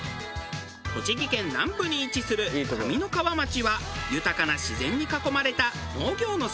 栃木県南部に位置する上三川町は豊かな自然に囲まれた農業の盛んな地域。